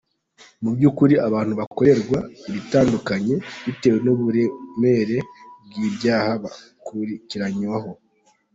Mu by’ukuri abantu bakorerwa ibitandukanye bitewe n’uburemere bw’ibyaha bakurikiranyweho.